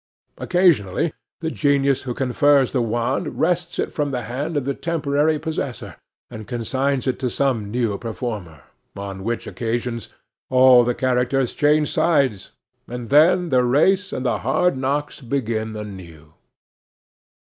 Occasionally, the genius who confers the wand, wrests it from the hand of the temporary possessor, and consigns it to some new performer; on which occasions all the characters change sides, and then the race and the hard knocks begin anew.